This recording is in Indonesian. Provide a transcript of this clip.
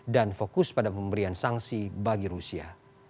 dan fokus pada pemberian sanksi bagi rusia